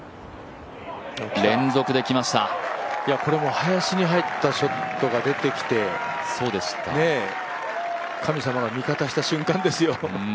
林に入ったショットが出てきて、神様が味方した瞬間ですよ。